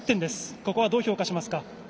ここはどう評価しますか？